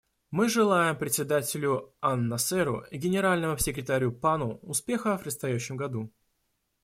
Мы желаем Председателю анНасеру и Генеральному секретарю Пану успеха в предстоящем году.